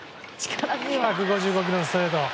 １５５キロのストレート。